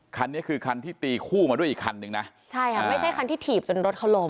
คันนี้คือคันที่ตีคู่มาด้วยอีกคันนึงนะใช่ค่ะไม่ใช่คันที่ถีบจนรถเขาล้ม